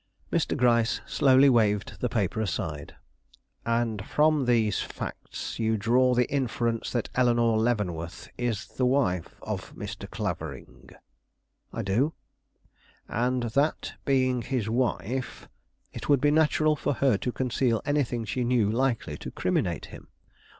Mr. Gryce slowly waved the paper aside. "And from these facts you draw the inference that Eleanore Leavenworth is the wife of Mr. Clavering?" "I do." "And that, being his wife " "It would be natural for her to conceal anything she knew likely to criminate him."